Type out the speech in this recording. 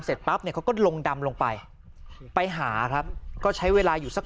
เสร็จปั๊บเนี่ยเขาก็ลงดำลงไปไปหาครับก็ใช้เวลาอยู่สัก